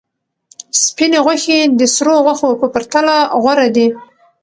سپینې غوښې د سرو غوښو په پرتله غوره دي.